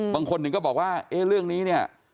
บางคนหนึ่งก็บอกว่าเรื่องนี้